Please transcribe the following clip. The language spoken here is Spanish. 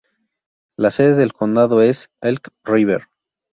La sede del condado es Elk River.